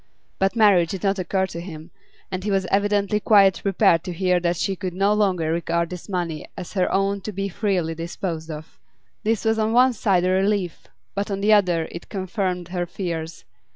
But marriage did not occur to him, and he was evidently quite prepared to hear that she could no longer regard this money as her own to be freely disposed of. This was on one side a relief but on the other it confirmed her fears.